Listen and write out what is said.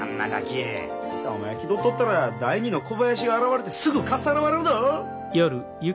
またお前気取っとったら第２の小林が現れてすぐかっさらわれるぞ！